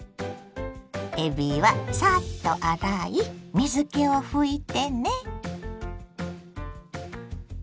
えびはサッと洗い水けを拭いてね。